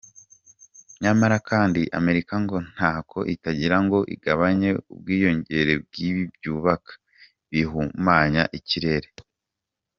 Nyamara kandi Amerika ngo ntako itagira ngo igabanye ubwiyongere Bw’ibi byuka bihumanya ikirere.